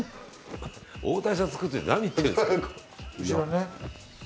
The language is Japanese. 大谷さん作っといて何言ってるんですか。